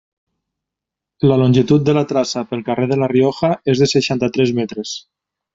La longitud de la traça pel carrer de La Rioja és de seixanta-tres metres.